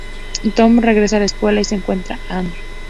Tom regresa a la escuela y se encuentra Anne.